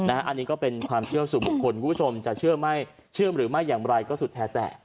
อันนี้ก็เป็นความเชื่อสู่บุคคลคุณผู้ชมจะเชื่อไม่เชื่อมหรือไม่อย่างไรก็สุดแท้แต่